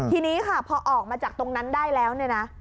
ทีนี้ค่ะพอออกมาจากตรงนั้นได้แล้วเนี่ยนะ